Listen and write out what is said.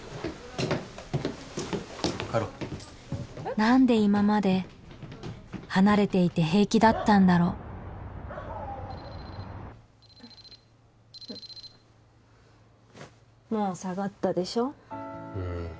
帰ろう何で今まで離れていて平気だったんだろうもう下がったでしょうん